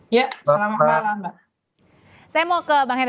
ya selamat malam mbak